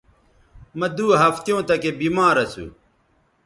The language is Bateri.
مہ دو ہفتیوں تکے بیمار اسو